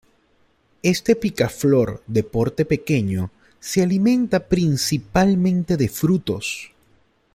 Este picaflor de porte pequeño, se alimenta principalmente de frutos.